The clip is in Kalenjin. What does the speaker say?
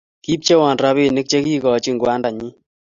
Kibchewon robinik che kiikochini kwandanyin